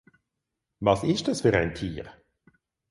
Was ist das für ein Tier?